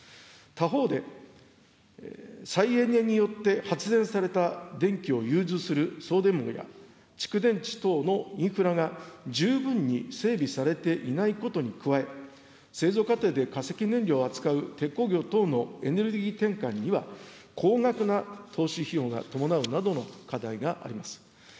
他方で再エネによって発電された電気を融通する送電網や、蓄電池等のインフラが十分に整備されていないことに加え、製造過程で化石燃料を扱う鉄鋼業等のエネルギー転換には、高額な投資費用が伴うなどの課題があります。